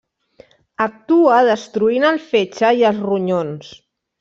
Actua destruint el fetge i els ronyons.